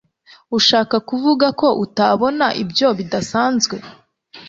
urashaka kuvuga ko utabona ibyo bidasanzwe